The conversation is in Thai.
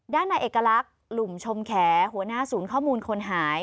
ด้านในเอกลักษณ์หลุมชมแขหัวหน้าศูนย์ข้อมูลคนหาย